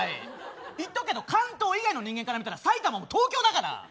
言っとくけど関東以外の人間から見たら埼玉も東京だから！